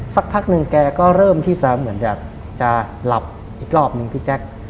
สักพักหนึ่งแกก็เริ่มที่จะเหมือนอยากจะหลับอีกรอบนึงพี่แจ๊ค